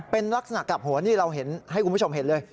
เป็นลักษณะกลับหัวนี่เราเห็นให้คุณผู้ชมเห็นเลย